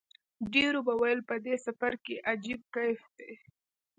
ډېرو به ویل په دې سفر کې عجیب کیف دی.